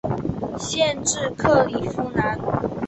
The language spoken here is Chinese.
县治克里夫兰。